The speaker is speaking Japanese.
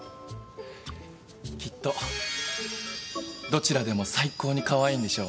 きっとどちらでも最高にカワイイんでしょうね。